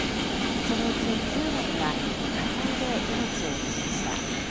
そのうち９割が火災で命を落としました。